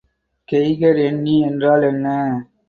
Geiger எண்ணி என்றால் என்ன?